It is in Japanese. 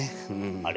あれ？